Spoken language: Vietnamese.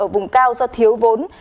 ở vùng cao do thiếu vốn